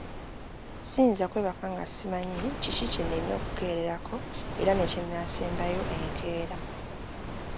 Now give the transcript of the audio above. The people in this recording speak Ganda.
Siyinza kwebaka nga simanyi kiki kye nnina okukeererako era ne kye naasembayo enkeera.